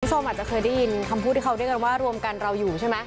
คุณผู้ชมอาจจะเคยได้ยินคำพูดที่เขาเรียกกันว่ารวมกันเราอยู่ใช่ไหม